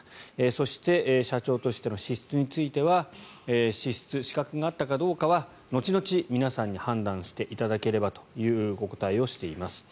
そして社長としての資質については資格があったかどうかは後々皆さんに判断していただければというお答えをしています。